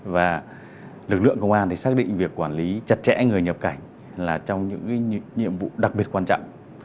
và lực lượng công an thì xác định việc quản lý chặt chẽ người nhập cảnh là trong những nhiệm vụ đặc biệt quan trọng